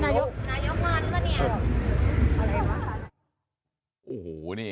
นายถอยกกว่านี้บ้างเนี่ย